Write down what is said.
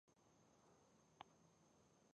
همېشه هڅه کوونکی اوسى؛ هېڅ کله مه تسلیمېږي!